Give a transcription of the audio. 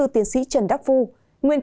tiền giang một mươi tám